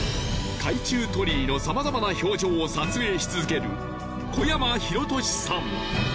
海中鳥居のさまざまな表情を撮影し続ける小山裕敏さん